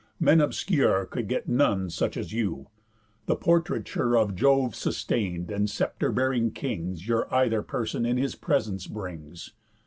Men obscure Could get none such as you. The portraiture Of Jove sustain'd and sceptre bearing kings Your either person in his presence brings."